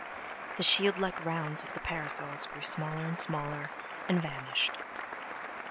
The shield like rounds of the parasols grew smaller and smaller, and vanished.